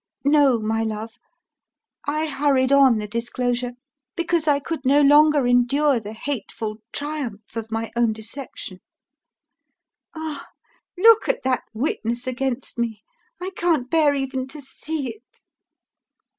No, my love! I hurried on the disclosure because I could no longer endure the hateful triumph of my own deception. Ah, look at that witness against me! I can't bear even to see it."